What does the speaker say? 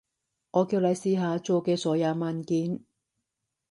我叫你試下做嘅所有文件